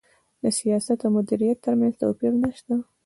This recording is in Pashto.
دا د سیاست او مدیریت ترمنځ توپیر نشته.